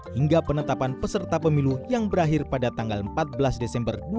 hingga penetapan peserta pemilu yang berakhir pada tanggal empat belas desember dua ribu dua puluh